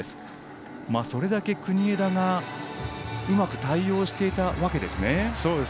それだけ、国枝がうまく対応していたわけですね。